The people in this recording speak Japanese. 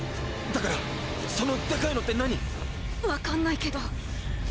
だからそのデカイのってなに？わかんないけど。